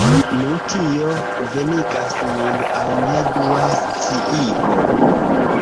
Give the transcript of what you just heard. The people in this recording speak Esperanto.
Nu, tio venigas min al mia dua sciigo.